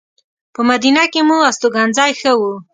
په مدینه کې مو استوګنځی ښه و.